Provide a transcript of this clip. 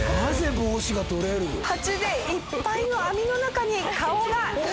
ハチでいっぱいの網の中に顔がイン！